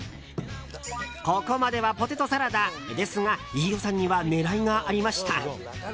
ここまではポテトサラダですが飯尾さんには狙いがありました。